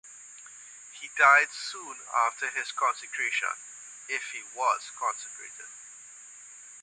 He died soon after his consecration, if he was consecrated.